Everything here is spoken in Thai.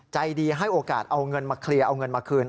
ใจดีให้โอกาสเอาเงินมาเคลียร์เอาเงินมาคืน